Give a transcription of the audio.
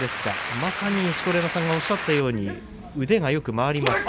まさに錣山さんがおっしゃったように腕がよく回りました。